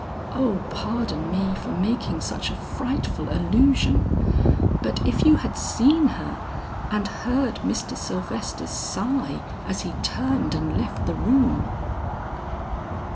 O pardon me for making such a frightful allusion. But if you had seen her and heard Mr. Sylvester's sigh as he turned and left the room!"